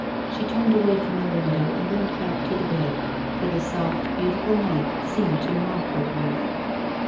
She turned away from the window and went back to the bed, for the soft, beautiful night seemed to mock her grief.